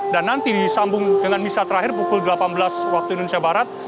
nanti disambung dengan misa terakhir pukul delapan belas waktu indonesia barat